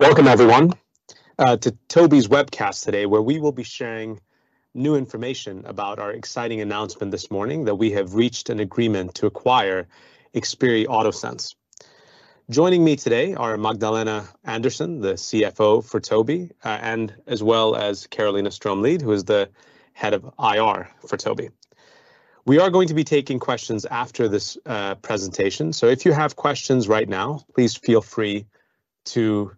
Welcome everyone to Tobii's webcast today, where we will be sharing new information about our exciting announcement this morning, that we have reached an agreement to acquire Xperi AutoSense. Joining me today are Magdalena Andersson, the CFO for Tobii, and as well as Carolina Strömlid, who is the head of IR for Tobii. We are going to be taking questions after this presentation. So if you have questions right now, please feel free to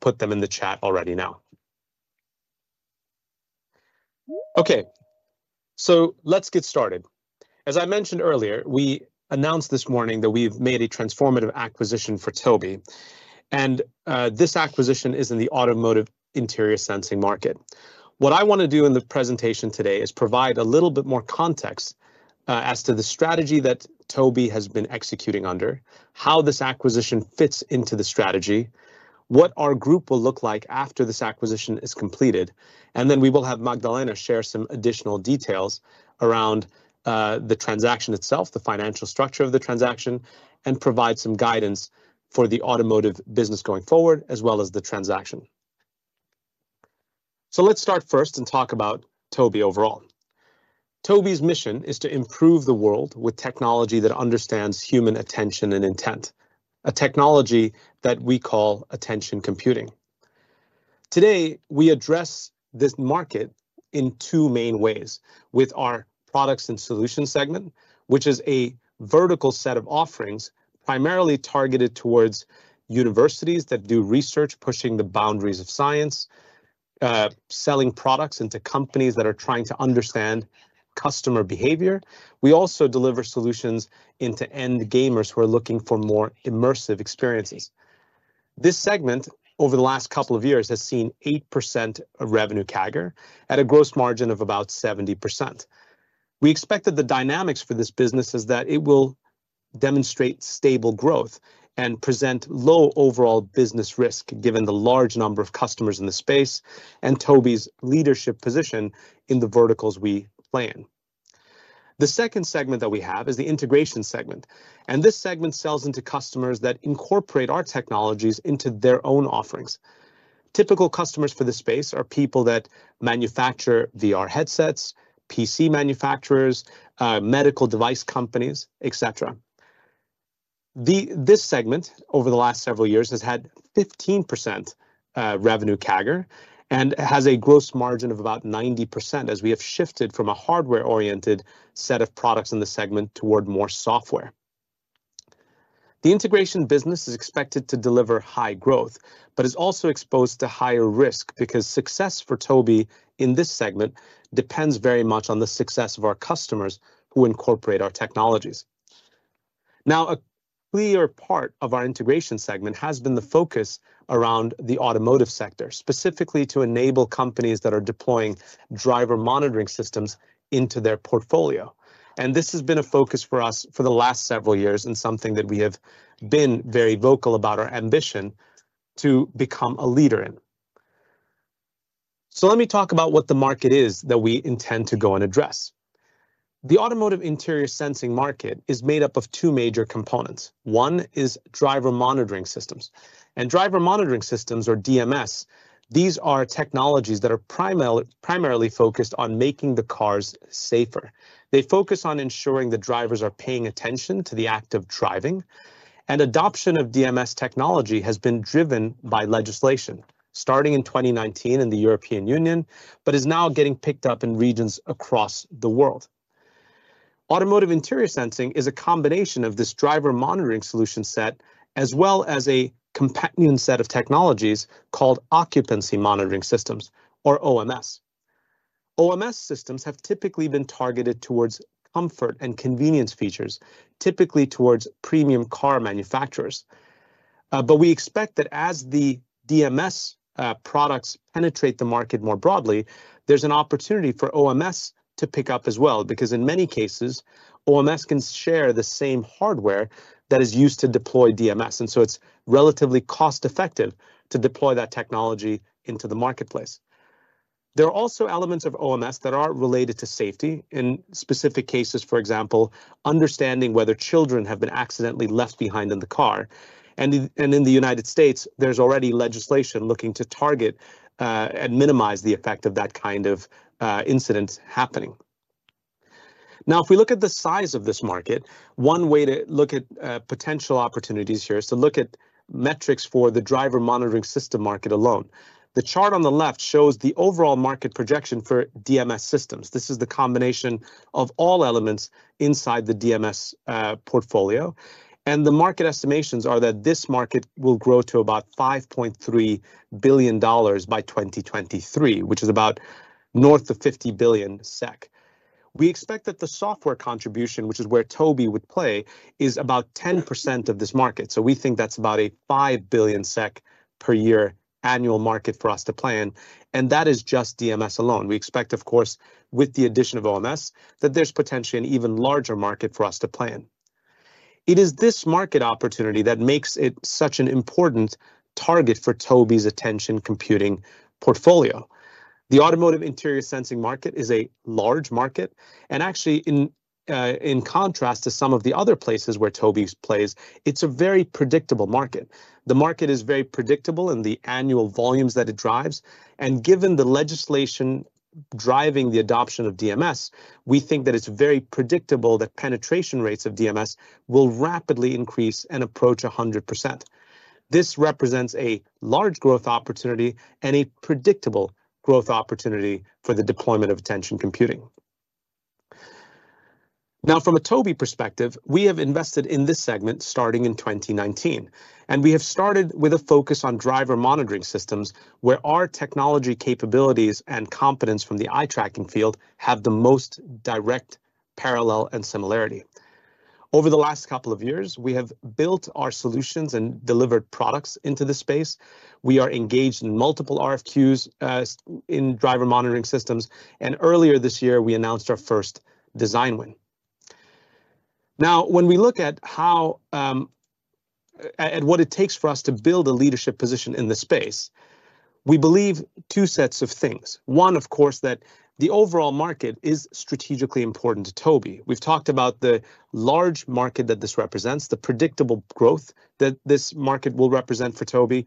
put them in the chat already now. Okay, so let's get started. As I mentioned earlier, we announced this morning that we've made a transformative acquisition for Tobii, and this acquisition is in the automotive interior sensing market. What I want to do in the presentation today is provide a little bit more context, as to the strategy that Tobii has been executing under, how this acquisition fits into the strategy, what our group will look like after this acquisition is completed, and then we will have Magdalena share some additional details around, the transaction itself, the financial structure of the transaction, and provide some guidance for the automotive business going forward, as well as the transaction. So let's start first and talk about Tobii overall. Tobii's mission is to improve the world with technology that understands human attention and intent, a technology that we call attention computing. Today, we address this market in two main ways: with our products and solutions segment, which is a vertical set of offerings, primarily targeted towards universities that do research, pushing the boundaries of science, selling products into companies that are trying to understand customer behavior. We also deliver solutions into end gamers who are looking for more immersive experiences. This segment, over the last couple of years, has seen 8% of revenue CAGR at a gross margin of about 70%. We expect that the dynamics for this business is that it will demonstrate stable growth and present low overall business risk, given the large number of customers in the space and Tobii's leadership position in the verticals we play in. The second segment that we have is the integration segment, and this segment sells into customers that incorporate our technologies into their own offerings. Typical customers for this space are people that manufacture VR headsets, PC manufacturers, medical device companies, et cetera. This segment, over the last several years, has had 15% revenue CAGR, and has a gross margin of about 90%, as we have shifted from a hardware-oriented set of products in the segment toward more software. The integration business is expected to deliver high growth, but is also exposed to higher risk, because success for Tobii in this segment depends very much on the success of our customers who incorporate our technologies. Now, a clear part of our integration segment has been the focus around the automotive sector, specifically to enable companies that are deploying driver monitoring systems into their portfolio. This has been a focus for us for the last several years and something that we have been very vocal about our ambition to become a leader in. So let me talk about what the market is that we intend to go and address. The automotive interior sensing market is made up of two major components. One is driver monitoring systems. Driver monitoring systems, or DMS, these are technologies that are primarily focused on making the cars safer. They focus on ensuring the drivers are paying attention to the act of driving, and adoption of DMS technology has been driven by legislation, starting in 2019 in the European Union, but is now getting picked up in regions across the world. Automotive interior sensing is a combination of this driver monitoring solution set, as well as a companion set of technologies called occupancy monitoring systems, or OMS. OMS systems have typically been targeted towards comfort and convenience features, typically towards premium car manufacturers. But we expect that as the DMS products penetrate the market more broadly, there's an opportunity for OMS to pick up as well, because in many cases, OMS can share the same hardware that is used to deploy DMS, and so it's relatively cost-effective to deploy that technology into the marketplace. There are also elements of OMS that are related to safety. In specific cases, for example, understanding whether children have been accidentally left behind in the car. And in, and in the United States, there's already legislation looking to target and minimize the effect of that kind of incident happening. Now, if we look at the size of this market, one way to look at potential opportunities here is to look at metrics for the driver monitoring system market alone. The chart on the left shows the overall market projection for DMS systems. This is the combination of all elements inside the DMS portfolio, and the market estimations are that this market will grow to about $5.3 billion by 2023, which is about north of 50 billion SEK. We expect that the software contribution, which is where Tobii would play, is about 10% of this market. So we think that's about a 5 billion SEK per year annual market for us to plan, and that is just DMS alone. We expect, of course, with the addition of OMS, that there's potentially an even larger market for us to plan. It is this market opportunity that makes it such an important target for Tobii's attention computing portfolio. The automotive interior sensing market is a large market, and actually in contrast to some of the other places where Tobii plays, it's a very predictable market. The market is very predictable in the annual volumes that it drives, and given the legislation driving the adoption of DMS, we think that it's very predictable that penetration rates of DMS will rapidly increase and approach 100%. This represents a large growth opportunity and a predictable growth opportunity for the deployment of attention computing. Now, from a Tobii perspective, we have invested in this segment starting in 2019, and we have started with a focus on driver monitoring systems, where our technology capabilities and competence from the eye tracking field have the most direct parallel and similarity. Over the last couple of years, we have built our solutions and delivered products into this space. We are engaged in multiple RFQs in driver monitoring systems, and earlier this year, we announced our first design win. Now, when we look at how at what it takes for us to build a leadership position in this space, we believe two sets of things. One, of course, that the overall market is strategically important to Tobii. We've talked about the large market that this represents, the predictable growth that this market will represent for Tobii.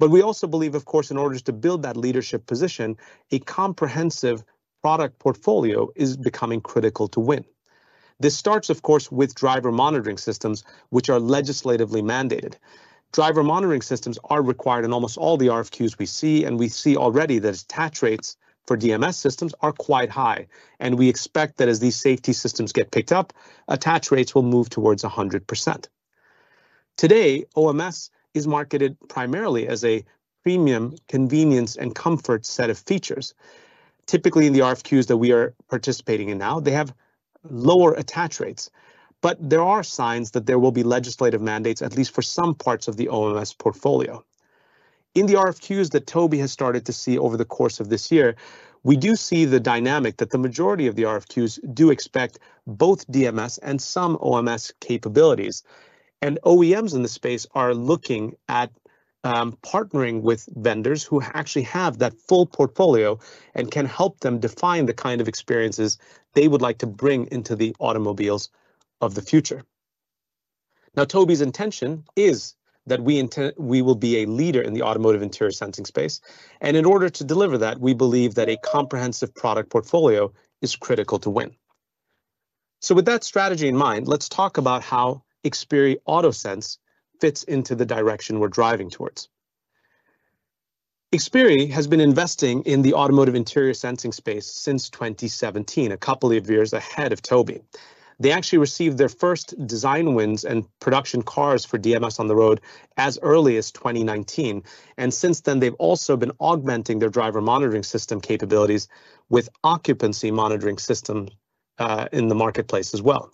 But we also believe, of course, in order to build that leadership position, a comprehensive product portfolio is becoming critical to win. This starts, of course, with driver monitoring systems, which are legislatively mandated. Driver monitoring systems are required in almost all the RFQs we see, and we see already that attach rates for DMS systems are quite high, and we expect that as these safety systems get picked up, attach rates will move towards 100%. Today, OMS is marketed primarily as a premium convenience and comfort set of features. Typically, in the RFQs that we are participating in now, they have lower attach rates, but there are signs that there will be legislative mandates, at least for some parts of the OMS portfolio. In the RFQs that Tobii has started to see over the course of this year, we do see the dynamic that the majority of the RFQs do expect both DMS and some OMS capabilities. OEMs in the space are looking at partnering with vendors who actually have that full portfolio and can help them define the kind of experiences they would like to bring into the automobiles of the future. Now, Tobii's intention is that we will be a leader in the automotive interior sensing space, and in order to deliver that, we believe that a comprehensive product portfolio is critical to win. With that strategy in mind, let's talk about how Xperi AutoSense fits into the direction we're driving towards. Xperi has been investing in the automotive interior sensing space since 2017, a couple of years ahead of Tobii. They actually received their first design wins and production cars for DMS on the road as early as 2019, and since then, they've also been augmenting their driver monitoring system capabilities with occupancy monitoring system in the marketplace as well.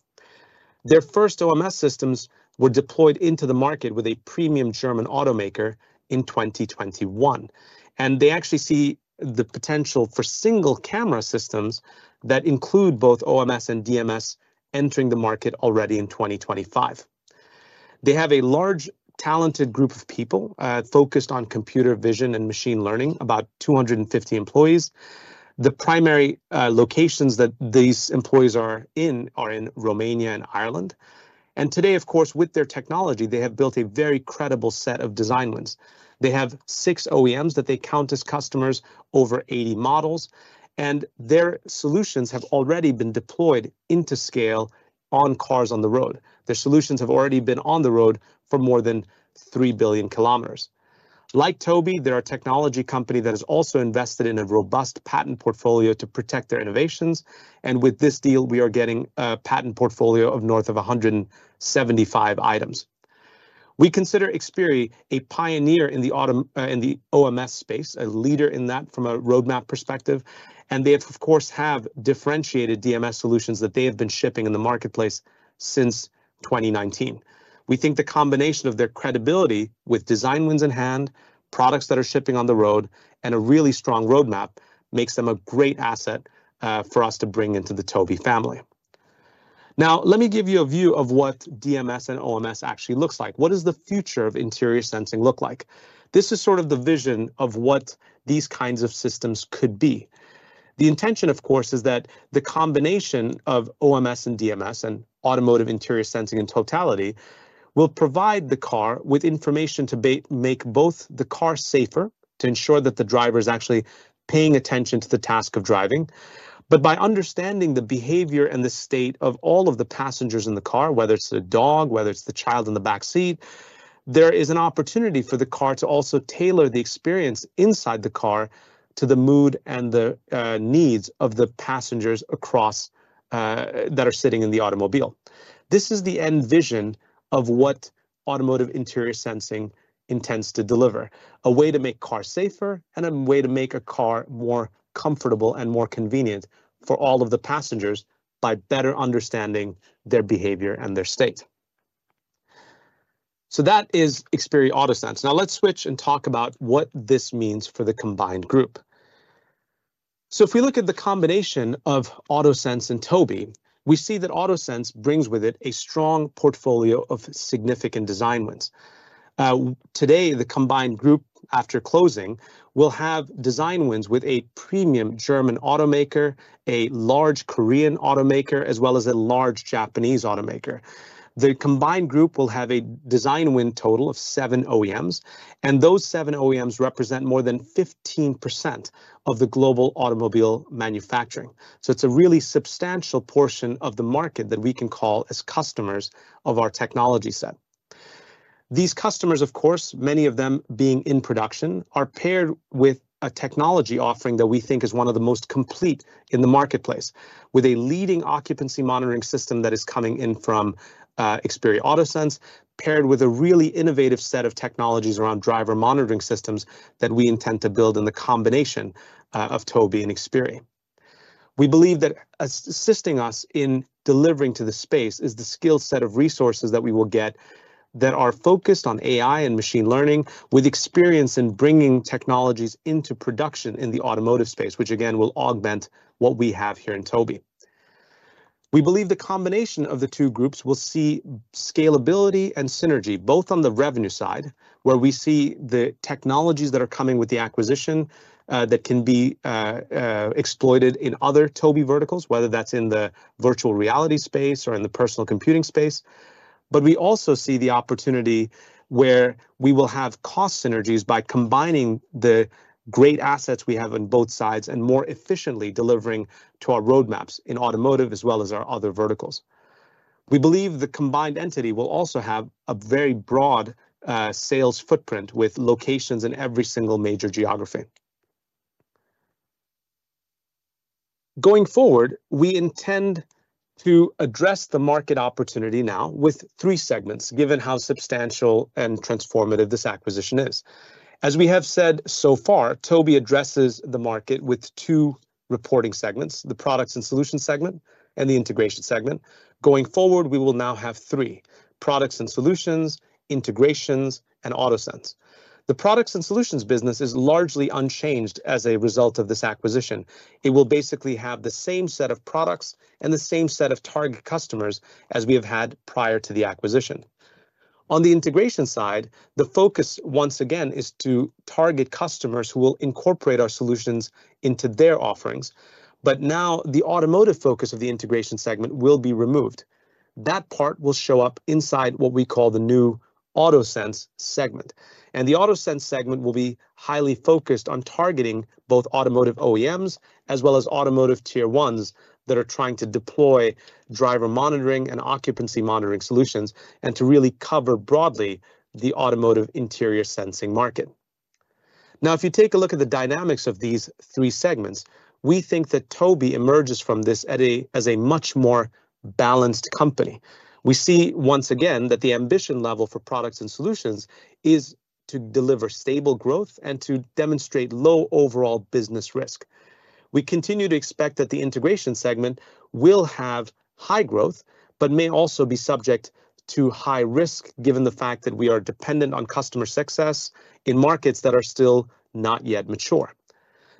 Their first OMS systems were deployed into the market with a premium German automaker in 2021, and they actually see the potential for single-camera systems that include both OMS and DMS entering the market already in 2025. They have a large, talented group of people focused on computer vision and machine learning, about 250 employees. The primary locations that these employees are in are in Romania and Ireland. Today, of course, with their technology, they have built a very credible set of design wins. They have six OEMs that they count as customers, over 80 models, and their solutions have already been deployed into scale on cars on the road. Their solutions have already been on the road for more than 3 billion kilometers. Like Tobii, they're a technology company that has also invested in a robust patent portfolio to protect their innovations, and with this deal, we are getting a patent portfolio of north of 175 items. We consider Xperi a pioneer in the OMS space, a leader in that from a roadmap perspective, and they, of course, have differentiated DMS solutions that they have been shipping in the marketplace since 2019. We think the combination of their credibility with design wins in hand, products that are shipping on the road, and a really strong roadmap makes them a great asset for us to bring into the Tobii family. Now, let me give you a view of what DMS and OMS actually looks like. What does the future of interior sensing look like? This is sort of the vision of what these kinds of systems could be. The intention, of course, is that the combination of OMS and DMS and automotive interior sensing in totality will provide the car with information to make both the car safer, to ensure that the driver is actually paying attention to the task of driving. But by understanding the behavior and the state of all of the passengers in the car, whether it's the dog, whether it's the child in the back seat, there is an opportunity for the car to also tailor the experience inside the car to the mood and the needs of the passengers across that are sitting in the automobile. This is the end vision of what automotive interior sensing intends to deliver, a way to make cars safer and a way to make a car more comfortable and more convenient for all of the passengers by better understanding their behavior and their state. So that is Xperi AutoSense. Now let's switch and talk about what this means for the combined group. So if we look at the combination of AutoSense and Tobii, we see that AutoSense brings with it a strong portfolio of significant design wins. Today, the combined group after closing will have design wins with a premium German automaker, a large Korean automaker, as well as a large Japanese automaker. The combined group will have a design win total of seven OEMs, and those seven OEMs represent more than 15% of the global automobile manufacturing. So it's a really substantial portion of the market that we can call as customers of our technology set. These customers, of course, many of them being in production, are paired with a technology offering that we think is one of the most complete in the marketplace, with a leading occupancy monitoring system that is coming in from, Xperi AutoSense, paired with a really innovative set of technologies around driver monitoring systems that we intend to build in the combination, of Tobii and Xperi. We believe that assisting us in delivering to the space is the skill set of resources that we will get that are focused on AI and machine learning, with experience in bringing technologies into production in the automotive space, which again, will augment what we have here in Tobii. We believe the combination of the two groups will see scalability and synergy, both on the revenue side, where we see the technologies that are coming with the acquisition that can be exploited in other Tobii verticals, whether that's in the virtual reality space or in the personal computing space. But we also see the opportunity where we will have cost synergies by combining the great assets we have on both sides and more efficiently delivering to our roadmaps in automotive as well as our other verticals. We believe the combined entity will also have a very broad, sales footprint, with locations in every single major geography. Going forward, we intend to address the market opportunity now with three segments, given how substantial and transformative this acquisition is. As we have said so far, Tobii addresses the market with two reporting segments: the products and solutions segment and the integration segment. Going forward, we will now have three: products and solutions, integrations, and AutoSense. The products and solutions business is largely unchanged as a result of this acquisition. It will basically have the same set of products and the same set of target customers as we have had prior to the acquisition. On the integration side, the focus, once again, is to target customers who will incorporate our solutions into their offerings. But now, the automotive focus of the integration segment will be removed. That part will show up inside what we call the new AutoSense segment. The AutoSense segment will be highly focused on targeting both automotive OEMs as well as automotive tier ones that are trying to deploy driver monitoring and occupancy monitoring solutions, and to really cover broadly the automotive interior sensing market. Now, if you take a look at the dynamics of these three segments, we think that Tobii emerges from this at a, as a much more balanced company. We see once again that the ambition level for products and solutions is to deliver stable growth and to demonstrate low overall business risk. We continue to expect that the integration segment will have high growth, but may also be subject to high risk, given the fact that we are dependent on customer success in markets that are still not yet mature.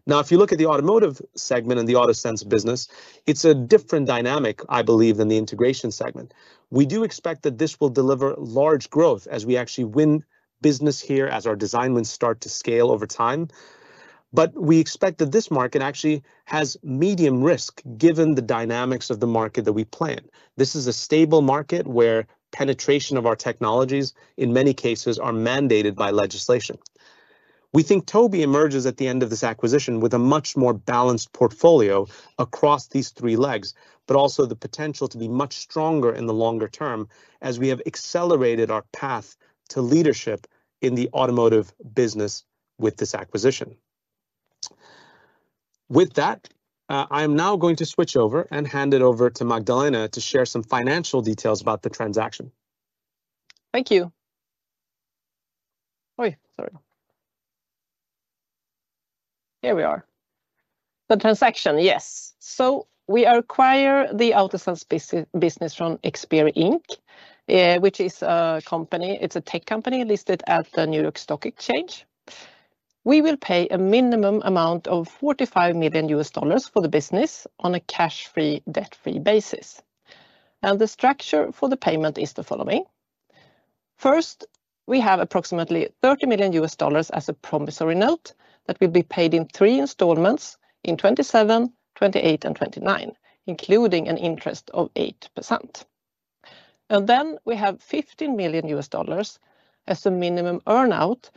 Now, if you look at the automotive segment and the AutoSense business, it's a different dynamic, I believe, than the integration segment. We do expect that this will deliver large growth as we actually win business here, as our design wins start to scale over time. But we expect that this market actually has medium risk, given the dynamics of the market that we plan. This is a stable market where penetration of our technologies, in many cases, are mandated by legislation. We think Tobii emerges at the end of this acquisition with a much more balanced portfolio across these three legs, but also the potential to be much stronger in the longer term as we have accelerated our path to leadership in the automotive business with this acquisition. With that, I am now going to switch over and hand it over to Magdalena to share some financial details about the transaction. Thank you. Oh, sorry. Here we are. The transaction, yes. So we acquire the AutoSense business from Xperi Inc., which is a company, it's a tech company listed at the New York Stock Exchange. We will pay a minimum amount of $45 million for the business on a cash-free, debt-free basis. Now, the structure for the payment is the following: First, we have approximately $30 million as a promissory note that will be paid in three installments in 2027, 2028, and 2029, including an interest of 8%. And then we have $15 million as a minimum earn-out,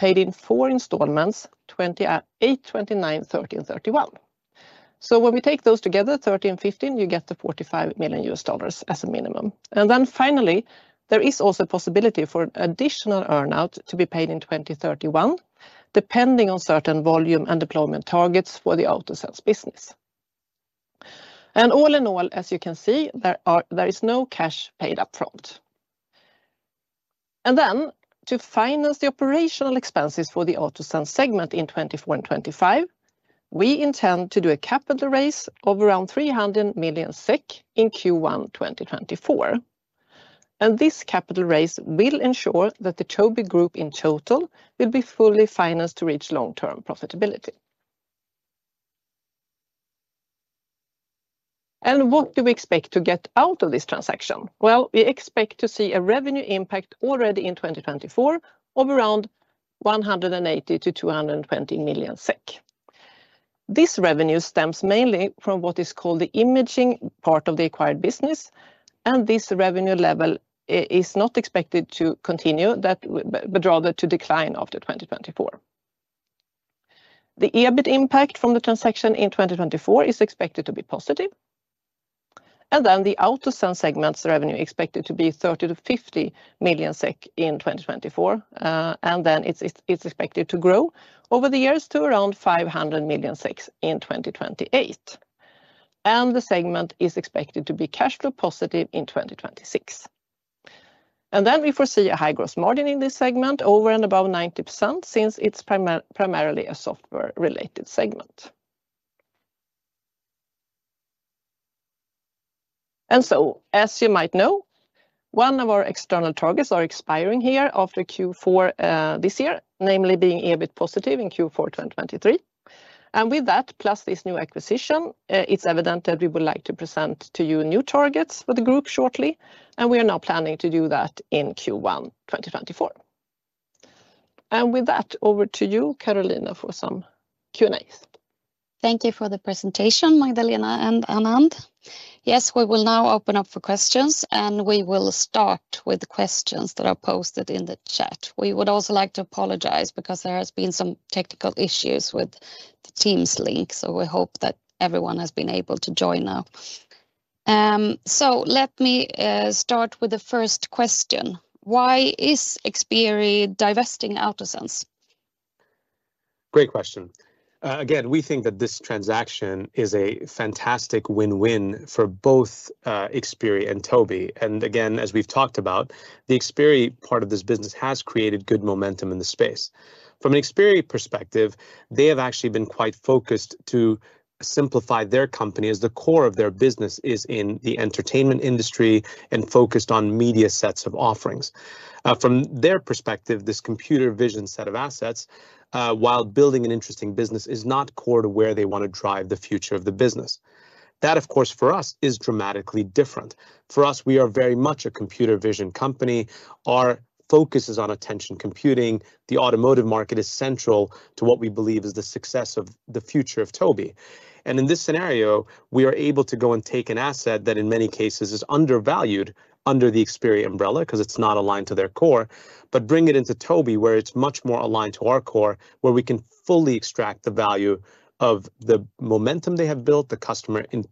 paid in four installments, 2028, 2029, 2030, and 2031. So when we take those together, 30 and 15, you get the $45 million as a minimum. And then finally, there is also a possibility for additional earn-out to be paid in 2031, depending on certain volume and deployment targets for the AutoSense business. And all in all, as you can see, there is no cash paid up front. And then to finance the operational expenses for the AutoSense segment in 2024 and 2025, we intend to do a capital raise of around 300 million SEK in Q1 2024. And this capital raise will ensure that the Tobii group in total will be fully financed to reach long-term profitability. And what do we expect to get out of this transaction? Well, we expect to see a revenue impact already in 2024 of around 180 million-220 million SEK. This revenue stems mainly from what is called the imaging part of the acquired business, and this revenue level is not expected to continue that, but rather to decline after 2024. The EBIT impact from the transaction in 2024 is expected to be positive, and then the AutoSense segment's revenue expected to be 30-50 million SEK in 2024. And then it's expected to grow over the years to around 500 million SEK in 2028. And the segment is expected to be cash flow positive in 2026. And then we foresee a high gross margin in this segment, over and above 90%, since it's primarily a software-related segment. And so, as you might know, one of our external targets are expiring here after Q4, this year, namely being EBIT positive in Q4 2023. And with that, plus this new acquisition, it's evident that we would like to present to you new targets for the group shortly, and we are now planning to do that in Q1 2024. And with that, over to you, Carolina, for some Q&A. Thank you for the presentation, Magdalena and Anand. Yes, we will now open up for questions, and we will start with the questions that are posted in the chat. We would also like to apologize, because there has been some technical issues with the Teams link, so we hope that everyone has been able to join now. So let me start with the first question: Why is Xperi divesting AutoSense? Great question. Again, we think that this transaction is a fantastic win-win for both, Xperi and Tobii. And again, as we've talked about, the Xperi part of this business has created good momentum in the space. From an Xperi perspective, they have actually been quite focused to simplify their company, as the core of their business is in the entertainment industry and focused on media sets of offerings. From their perspective, this computer vision set of assets, while building an interesting business, is not core to where they want to drive the future of the business. That, of course, for us is dramatically different. For us, we are very much a computer vision company. Our focus is on attention computing. The automotive market is central to what we believe is the success of the future of Tobii. In this scenario, we are able to go and take an asset that, in many cases, is undervalued under the Xperi umbrella, because it's not aligned to their core, but bring it into Tobii, where it's much more aligned to our core, where we can fully extract the value of the momentum they have built, the customer in,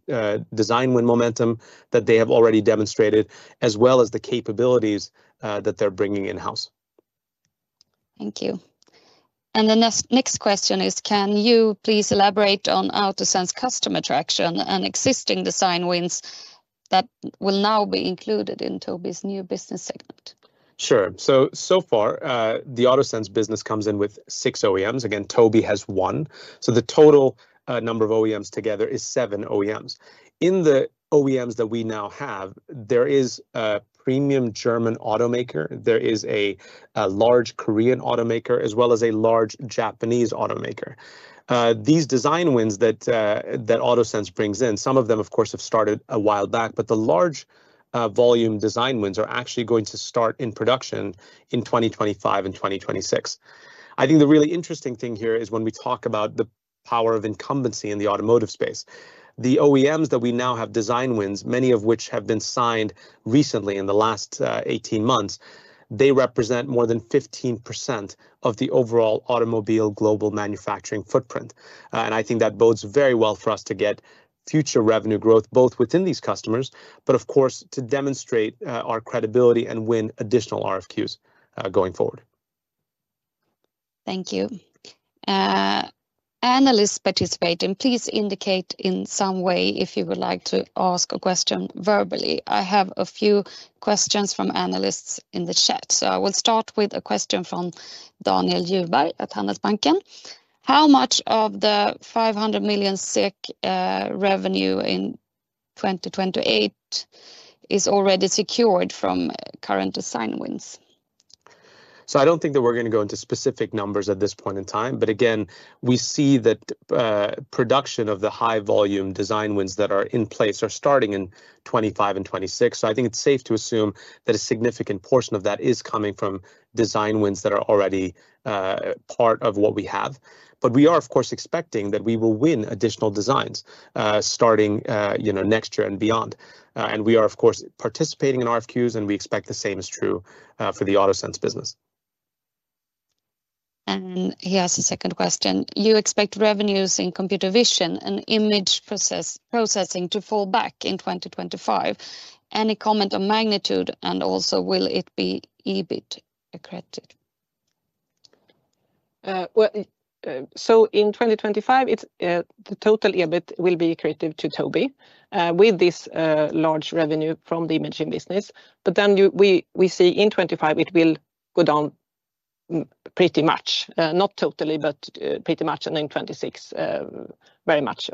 design win momentum that they have already demonstrated, as well as the capabilities, that they're bringing in-house. Thank you. The next question is: Can you please elaborate on AutoSense customer traction and existing design wins that will now be included in Tobii's new business segment? Sure. So far, the AutoSense business comes in with six OEMs. Again, Tobii has one, so the total number of OEMs together is seven OEMs. In the OEMs that we now have, there is a premium German automaker, there is a large Korean automaker, as well as a large Japanese automaker. These design wins that AutoSense brings in, some of them, of course, have started a while back, but the large volume design wins are actually going to start in production in 2025 and 2026. I think the really interesting thing here is when we talk about the power of incumbency in the automotive space. The OEMs that we now have design wins, many of which have been signed recently in the last 18 months, they represent more than 15% of the overall automobile global manufacturing footprint. I think that bodes very well for us to get future revenue growth, both within these customers, but of course, to demonstrate our credibility and win additional RFQs going forward. Thank you. Analysts participating, please indicate in some way if you would like to ask a question verbally. I have a few questions from analysts in the chat. So I will start with a question from Daniel Djurberg at Handelsbanken. How much of the 500 million revenue in 2028 is already secured from current design wins? So I don't think that we're going to go into specific numbers at this point in time. But again, we see that production of the high volume design wins that are in place are starting in 2025 and 2026. So I think it's safe to assume that a significant portion of that is coming from design wins that are already part of what we have. But we are, of course, expecting that we will win additional designs starting you know next year and beyond. And we are, of course, participating in RFQs, and we expect the same is true for the AutoSense business. He has a second question: You expect revenues in computer vision and image processing to fall back in 2025. Any comment on magnitude, and also, will it be EBIT accretive? Well, so in 2025, it's the total EBIT will be accretive to Tobii with this large revenue from the imaging business. But then we see in 2025, it will go down pretty much, not totally, but pretty much, and in 2026, very much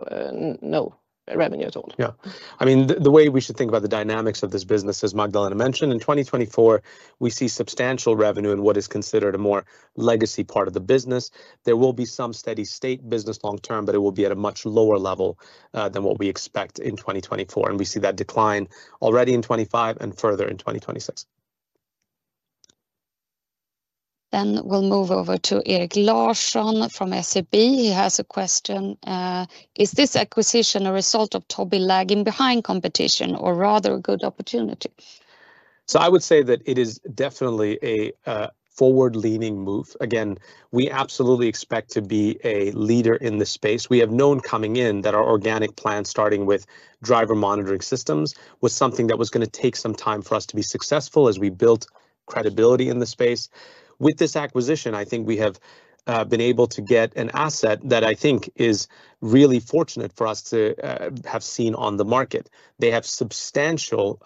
no revenue at all. Yeah. I mean, the way we should think about the dynamics of this business, as Magdalena mentioned, in 2024, we see substantial revenue in what is considered a more legacy part of the business. There will be some steady state business long term, but it will be at a much lower level than what we expect in 2024, and we see that decline already in 2025 and further in 2026. Then we'll move over to Erik Larsson from SEB. He has a question. "Is this acquisition a result of Tobii lagging behind competition, or rather a good opportunity? So I would say that it is definitely a forward-leaning move. Again, we absolutely expect to be a leader in this space. We have known coming in that our organic plan, starting with driver monitoring systems, was something that was gonna take some time for us to be successful as we built credibility in the space. With this acquisition, I think we have been able to get an asset that I think is really fortunate for us to have seen on the market. They have substantial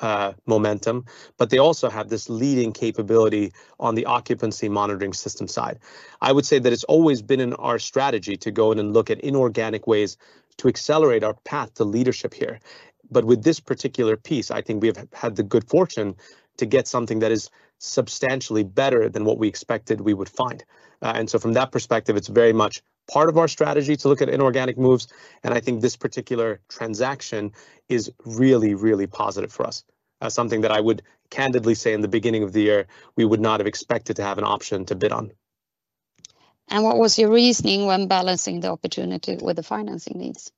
momentum, but they also have this leading capability on the occupant monitoring system side. I would say that it's always been in our strategy to go in and look at inorganic ways to accelerate our path to leadership here. But with this particular piece, I think we have had the good fortune to get something that is substantially better than what we expected we would find. And so from that perspective, it's very much part of our strategy to look at inorganic moves, and I think this particular transaction is really, really positive for us. Something that I would candidly say in the beginning of the year, we would not have expected to have an option to bid on. What was your reasoning when balancing the opportunity with the financing needs?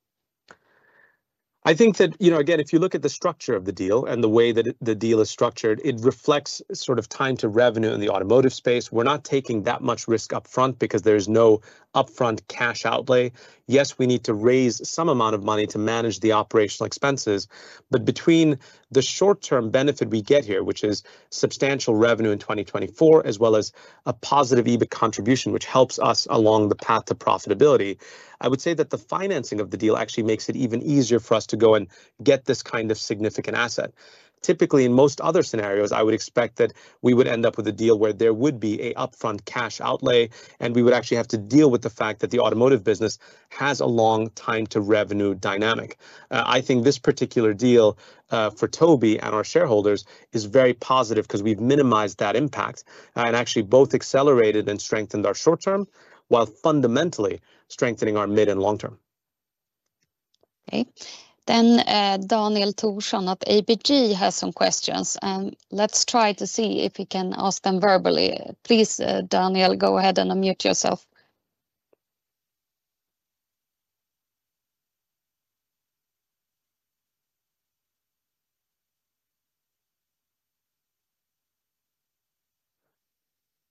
I think that, you know, again, if you look at the structure of the deal and the way that it, the deal is structured, it reflects sort of time to revenue in the automotive space. We're not taking that much risk up front because there's no upfront cash outlay. Yes, we need to raise some amount of money to manage the operational expenses. But between the short-term benefit we get here, which is substantial revenue in 2024, as well as a positive EBIT contribution, which helps us along the path to profitability, I would say that the financing of the deal actually makes it even easier for us to go and get this kind of significant asset. Typically, in most other scenarios, I would expect that we would end up with a deal where there would be a upfront cash outlay, and we would actually have to deal with the fact that the automotive business has a long time to revenue dynamic. I think this particular deal, for Tobii and our shareholders is very positive because we've minimized that impact, and actually both accelerated and strengthened our short term, while fundamentally strengthening our mid and long term. Okay. Then, Daniel Thorsson of ABG has some questions, and let's try to see if he can ask them verbally. Please, Daniel, go ahead and unmute yourself.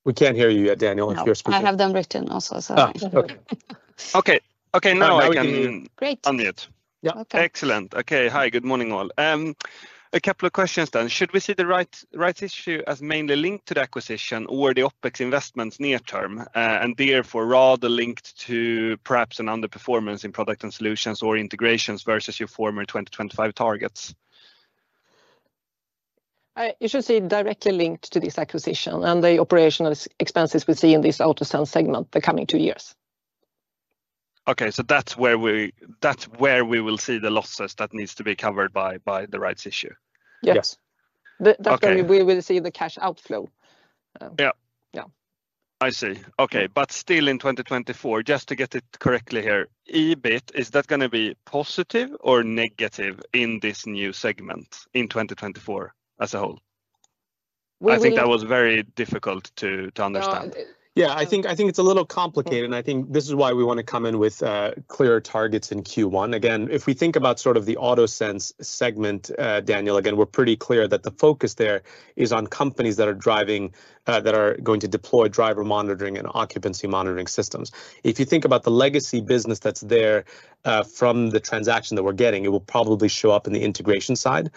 We can't hear you yet, Daniel, if you're speaking. I have them written also, so. Oh, okay. Okay. Okay, now I can. Great. Unmute. Yeah. Excellent. Okay. Hi, good morning, all. A couple of questions then. Should we see the rights issue as mainly linked to the acquisition or the OpEx investments near term, and therefore, rather linked to perhaps an underperformance in product and solutions or integrations versus your former 2025 targets? You should see directly linked to this acquisition and the operational expenses we see in this AutoSense segment the coming two years. Okay, so that's where we will see the losses that needs to be covered by the rights issue? Yes. Yes. The, that's. Okay Where we will see the cash outflow. Yeah. Yeah. I see. Okay, but still in 2024, just to get it correctly here, EBIT, is that gonna be positive or negative in this new segment in 2024 as a whole? We- I think that was very difficult to understand. Yeah, I think, I think it's a little complicated, and I think this is why we want to come in with clearer targets in Q1. Again, if we think about sort of the AutoSense segment, Daniel, again, we're pretty clear that the focus there is on companies that are driving that are going to deploy driver monitoring and occupancy monitoring systems. If you think about the legacy business that's there from the transaction that we're getting, it will probably show up in the integration side.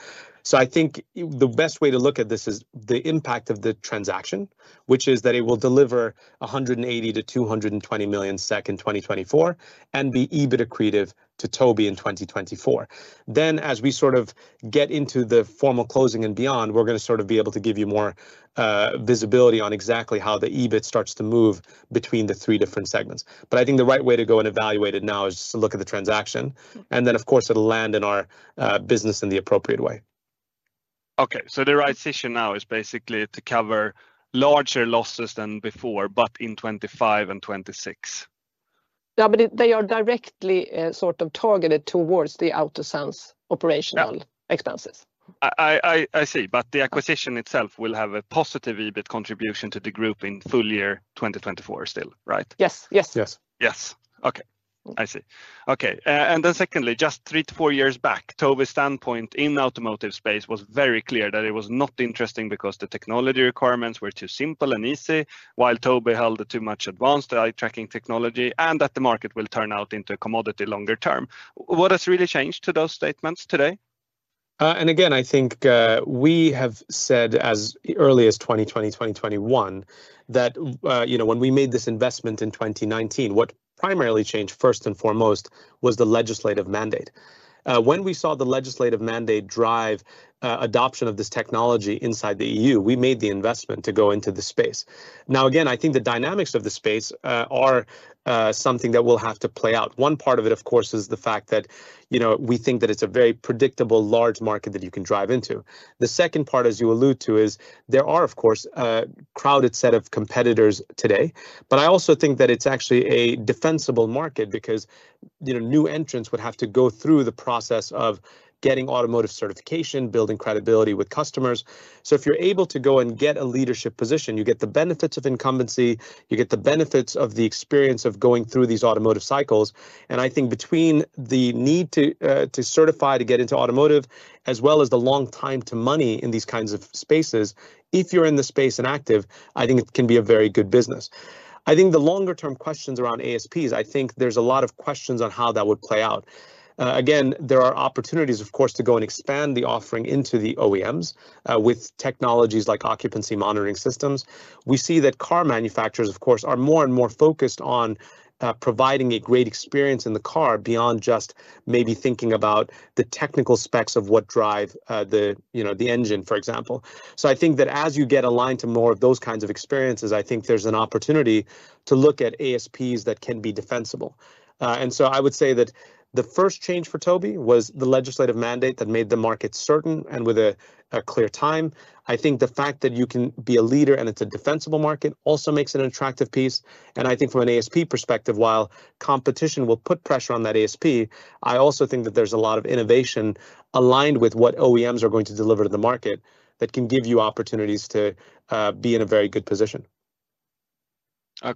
So I think the best way to look at this is the impact of the transaction, which is that it will deliver 180 million-220 million SEK in 2024, and be EBIT accretive to Tobii in 2024. Then, as we sort of get into the formal closing and beyond, we're gonna sort of be able to give you more visibility on exactly how the EBIT starts to move between the three different segments. But I think the right way to go and evaluate it now is to look at the transaction, and then, of course, it'll land in our business in the appropriate way. Okay, so the rights issue now is basically to cover larger losses than before, but in 2025 and 2026. Yeah, but it, they are directly, sort of targeted towards the AutoSense operational. Yeah Expenses. I see, but the acquisition itself will have a positive EBIT contribution to the group in full year 2024 still, right? Yes. Yes. Yes. Yes. Okay, I see. Okay, and then secondly, just 3-4 years back, Tobii standpoint in automotive space was very clear that it was not interesting because the technology requirements were too simple and easy, while Tobii held the too much advanced eye tracking technology, and that the market will turn out into a commodity longer term. What has really changed to those statements today? And again, I think we have said as early as 2020, 2021, that, you know, when we made this investment in 2019, what primarily changed first and foremost was the legislative mandate. When we saw the legislative mandate drive adoption of this technology inside the EU, we made the investment to go into the space. Now, again, I think the dynamics of the space are something that will have to play out. One part of it, of course, is the fact that, you know, we think that it's a very predictable, large market that you can drive into. The second part, as you allude to, is there are, of course, a crowded set of competitors today. But I also think that it's actually a defensible market because, you know, new entrants would have to go through the process of getting automotive certification, building credibility with customers. So if you're able to go and get a leadership position, you get the benefits of incumbency, you get the benefits of the experience of going through these automotive cycles. And I think between the need to, to certify to get into automotive, as well as the long time to money in these kinds of spaces, if you're in the space and active, I think it can be a very good business. I think the longer-term questions around ASPs, I think there's a lot of questions on how that would play out. Again, there are opportunities, of course, to go and expand the offering into the OEMs, with technologies like occupant monitoring systems. We see that car manufacturers, of course, are more and more focused on providing a great experience in the car beyond just maybe thinking about the technical specs of what drive the, you know, the engine, for example. So I think that as you get aligned to more of those kinds of experiences, I think there's an opportunity to look at ASPs that can be defensible. And so I would say that the first change for Tobii was the legislative mandate that made the market certain and with a clear time. I think the fact that you can be a leader and it's a defensible market also makes it an attractive piece, and I think from an ASP perspective, while competition will put pressure on that ASP, I also think that there's a lot of innovation aligned with what OEMs are going to deliver to the market, that can give you opportunities to be in a very good position. Okay,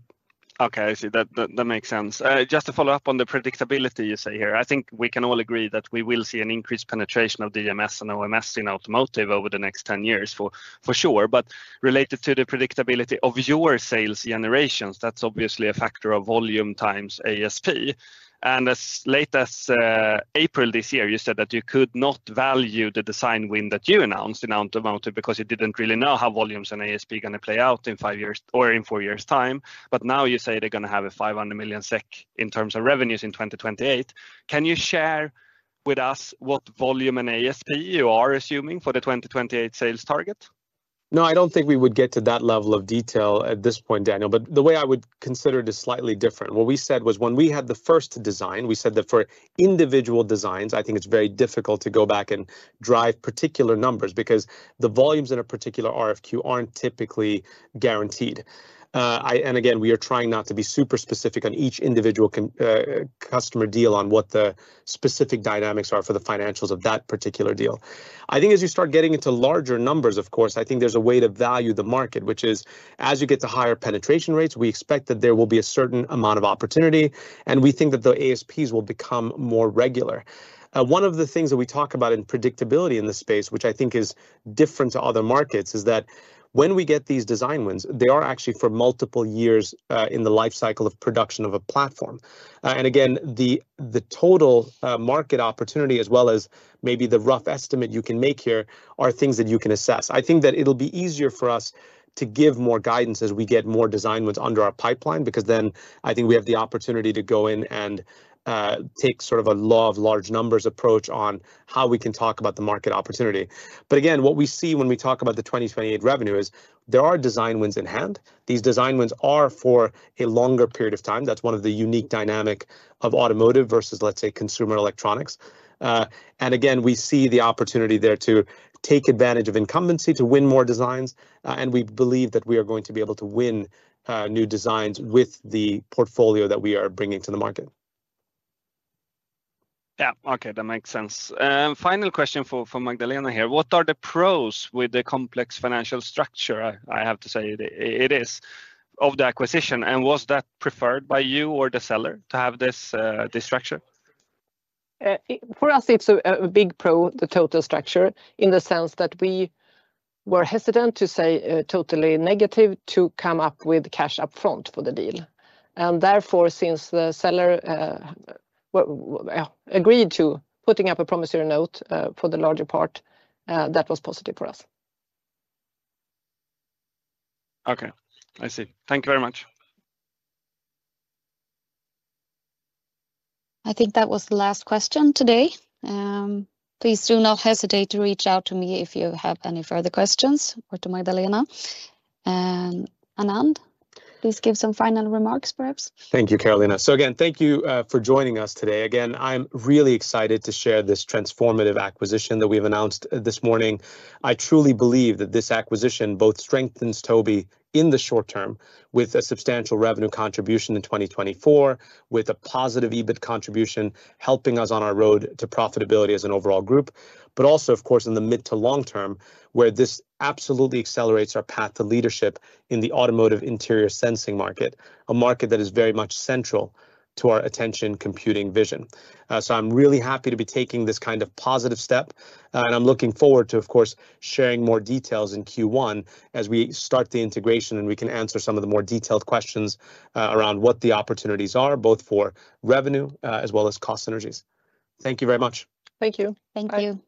I see. That makes sense. Just to follow up on the predictability you say here, I think we can all agree that we will see an increased penetration of DMS and OMS in automotive over the next ten years for sure. But related to the predictability of your sales generations, that's obviously a factor of volume times ASP. And as late as April this year, you said that you could not value the design win that you announced in automotive, because you didn't really know how volumes and ASP are gonna play out in five years or in four years' time. But now you say they're gonna have 500 million SEK in terms of revenues in 2028. Can you share with us what volume and ASP you are assuming for the 2028 sales target? No, I don't think we would get to that level of detail at this point, Daniel, but the way I would consider it is slightly different. What we said was when we had the first design, we said that for individual designs, I think it's very difficult to go back and drive particular numbers because the volumes in a particular RFQ aren't typically guaranteed. And again, we are trying not to be super specific on each individual customer deal on what the specific dynamics are for the financials of that particular deal. I think as you start getting into larger numbers, of course, I think there's a way to value the market, which is, as you get to higher penetration rates, we expect that there will be a certain amount of opportunity, and we think that the ASPs will become more regular. One of the things that we talk about in predictability in this space, which I think is different to other markets, is that when we get these design wins, they are actually for multiple years in the life cycle of production of a platform. And again, the total market opportunity, as well as maybe the rough estimate you can make here, are things that you can assess. I think that it'll be easier for us to give more guidance as we get more design wins under our pipeline, because then I think we have the opportunity to go in and take sort of a law of large numbers approach on how we can talk about the market opportunity. But again, what we see when we talk about the 2028 revenue is there are design wins in hand. These design wins are for a longer period of time. That's one of the unique dynamic of automotive versus, let's say, consumer electronics. And again, we see the opportunity there to take advantage of incumbency, to win more designs, and we believe that we are going to be able to win, new designs with the portfolio that we are bringing to the market. Yeah. Okay, that makes sense. Final question from Magdalena here: What are the pros with the complex financial structure, I have to say it, of the acquisition, and was that preferred by you or the seller to have this structure? For us, it's a big pro, the total structure, in the sense that we were hesitant to say totally negative, to come up with cash upfront for the deal. And therefore, since the seller well agreed to putting up a promissory note for the larger part, that was positive for us. Okay, I see. Thank you very much. I think that was the last question today. Please do not hesitate to reach out to me if you have any further questions, or to Magdalena. And Anand, please give some final remarks, perhaps. Thank you, Carolina. So again, thank you for joining us today. Again, I'm really excited to share this transformative acquisition that we've announced this morning. I truly believe that this acquisition both strengthens Tobii in the short term, with a substantial revenue contribution in 2024, with a positive EBIT contribution, helping us on our road to profitability as an overall group. But also, of course, in the mid to long term, where this absolutely accelerates our path to leadership in the automotive interior sensing market, a market that is very much central to our Attention Computing vision. So I'm really happy to be taking this kind of positive step, and I'm looking forward to, of course, sharing more details in Q1 as we start the integration, and we can answer some of the more detailed questions around what the opportunities are, both for revenue as well as cost synergies. Thank you very much. Thank you. Thank you.